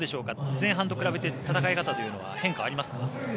前半と比べて戦い方は変化はありますか？